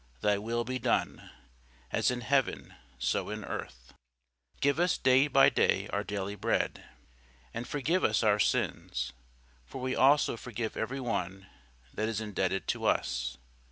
Thy will be done, as in heaven, so in earth. Give us day by day our daily bread. And forgive us our sins; for we also forgive every one that is indebted to us.